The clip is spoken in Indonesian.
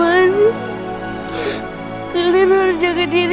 ayo beri saya juga david